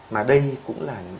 mà đây cũng là